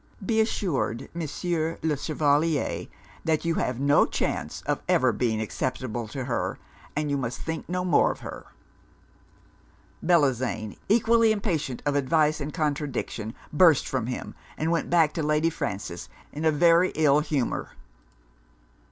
Be assured, Monsieur le Chevalier, that you have no chance of ever being acceptable to her, and you must think no more of her.' Bellozane, equally impatient of advice and contradiction, burst from him; and went back to Lady Frances in a very ill humour.